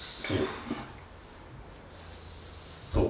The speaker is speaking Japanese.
そう。